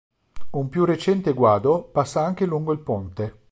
Un più recente guado passa anche lungo il ponte.